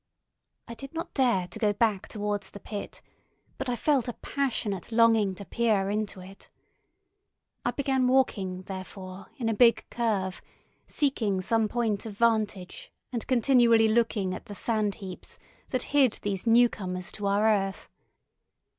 I did not dare to go back towards the pit, but I felt a passionate longing to peer into it. I began walking, therefore, in a big curve, seeking some point of vantage and continually looking at the sand heaps that hid these new comers to our earth.